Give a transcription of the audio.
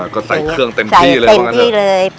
ก็ใส่เครื่องเต็มพี่ใส่เต็มที่เลย